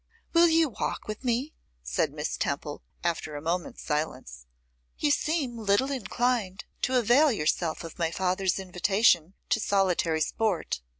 'Will you walk with me?' said Miss Temple, after a moment's silence; 'you seem little inclined to avail yourself of my father's invitation to solitary sport.